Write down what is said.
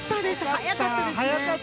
速かったですね。